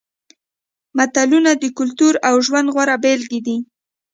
متلونه د کلتور او ژوند غوره بېلګې دي